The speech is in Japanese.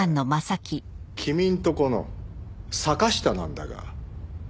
君のとこの坂下なんだが。